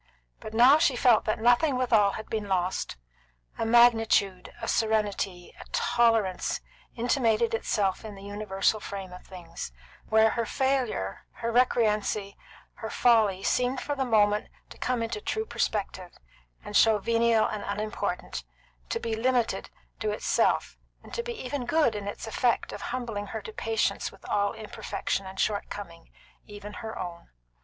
But now she felt that nothing withal had been lost; a magnitude, a serenity, a tolerance, intimated itself in the universal frame of things, where her failure, her recreancy, her folly, seemed for the moment to come into true perspective, and to show venial and unimportant, to be limited to itself, and to be even good in its effect of humbling her to patience with all imperfection and shortcoming, even her own.